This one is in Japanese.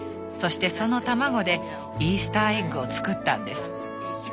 そしてその卵でイースターエッグを作ったんです。